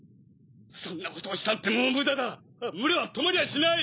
そんなことをしたってもうムダだ群れは止まりはしない。